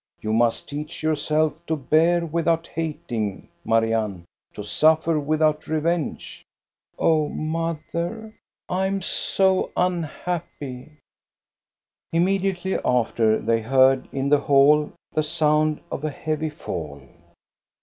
You must teach yourself to bear without hating, Marianne, to suffer without revenge." " Oh, mother, I am so unhappy." Immediately after, they heard in the hall the sound of a heavy fall.